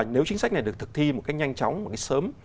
nếu chính sách này được thực thi nhanh chóng sớm